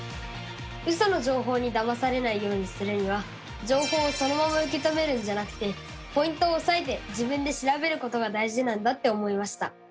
ウソの情報にだまされないようにするには情報をそのまま受け止めるんじゃなくてポイントをおさえて自分で調べることが大事なんだって思いました！